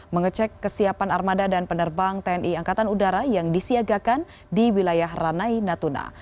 mengecek kesiapan armada dan penerbang tni angkatan udara yang disiagakan di wilayah ranai natuna